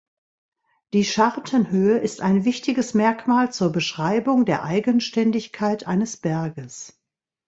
Die Schartenhöhe ist ein wichtiges Merkmal zur Beschreibung der Eigenständigkeit eines Berges.